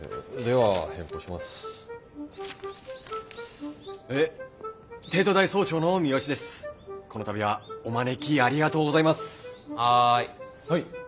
はい？